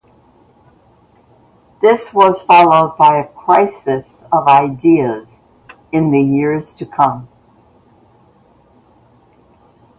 This was followed by a crisis of ideas in the years to come.